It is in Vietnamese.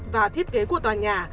và thiết kế của tòa nhà